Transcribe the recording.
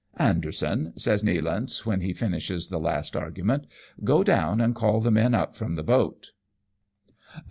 "Anderson," says Nealance, when he finishes the last argument ; "go down and call the men up from the boat."